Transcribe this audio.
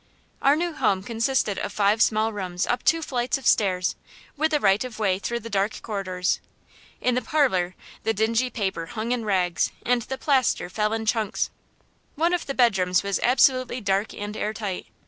Our new home consisted of five small rooms up two flights of stairs, with the right of way through the dark corridors. In the "parlor" the dingy paper hung in rags and the plaster fell in chunks. One of the bedrooms was absolutely dark and air tight.